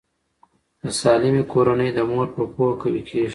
د سالمې کورنۍ د مور په پوهه قوي کیږي.